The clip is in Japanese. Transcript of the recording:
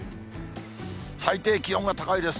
最低気温は高いです。